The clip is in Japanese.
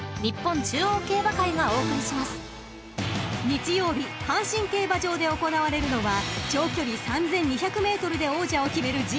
［日曜日阪神競馬場で行われるのは長距離３，２００ｍで王者を決める